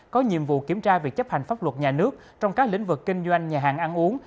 có nhiệm vụ kiểm tra việc chấp hành pháp luật nhà nước trong các lĩnh vực kinh doanh nhà hàng ăn uống